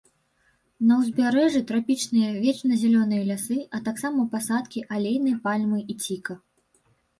На ўзбярэжжы трапічныя вечназялёныя лясы, а таксама пасадкі алейнай пальмы і ціка.